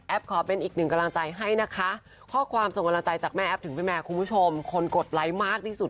ขอเป็นอีกหนึ่งกำลังใจให้นะคะข้อความส่งกำลังใจจากแม่แอฟถึงพี่แมร์คุณผู้ชมคนกดไลค์มากที่สุด